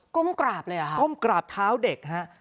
้มกราบเลยเหรอฮะก้มกราบเท้าเด็กฮะ